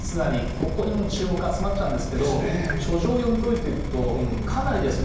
ここにもう注目集まっちゃうんですけど書状を読み解いていくとかなりですね